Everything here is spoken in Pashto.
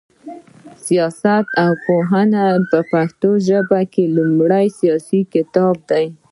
سياست پوهنه په پښتو ژبه کي لومړنی سياسي کتاب دی